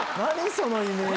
そのイメージ。